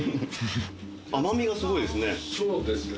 甘みがすごいですね。